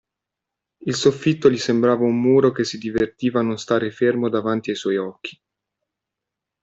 Il soffitto gli sembrava un muro che si divertiva a non stare fermo davanti ai suoi occhi.